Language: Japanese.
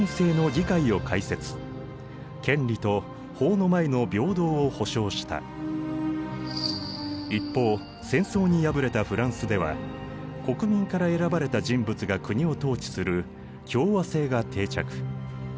プロイセン国王が皇帝を務め一方戦争に敗れたフランスでは国民から選ばれた人物が国を統治する共和政が定着。